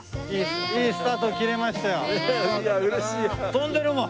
飛んでるもん。